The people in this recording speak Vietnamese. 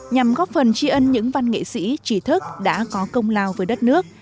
nhằm góp phần tri ân những văn nghệ sĩ trí thức đã có công lao với đất nước